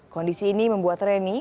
kondisi ini membuat reni